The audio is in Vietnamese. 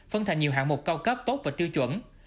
phân thành nhiều hạng mục cao cấp tốt và tiêu chuẩn